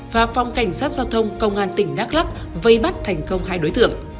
và phòng cảnh sát giao thông công an tỉnh đắk lắc vây bắt thành công hai đối tượng